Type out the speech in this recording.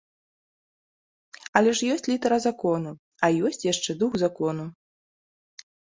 Але ж ёсць літара закону, а ёсць яшчэ дух закону.